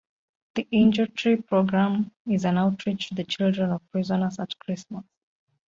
The Angel Tree Programme is an outreach to the children of prisoners at Christmas.